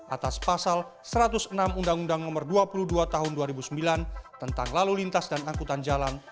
atas pasal satu ratus enam undang undang nomor dua puluh dua tahun dua ribu sembilan tentang lalu lintas dan angkutan jalan